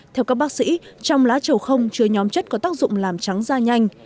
theo các bác sĩ trong lá trầu không chứa nhóm chất có tác dụng làm trắng da nhanh